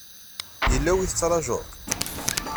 Yella wi tettrajuḍ?